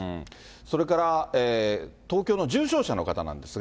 それから東京の重症者の方なんですが。